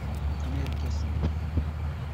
Qqen irkasen-nnek.